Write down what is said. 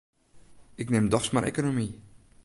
Ik nim dochs mar ekonomy.